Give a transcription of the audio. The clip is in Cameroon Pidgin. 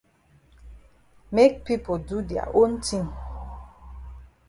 Make pipo do dia own tin.